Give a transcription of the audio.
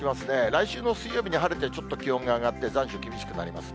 来週の水曜日に晴れて、ちょっと気温が上がって、残暑厳しくなります。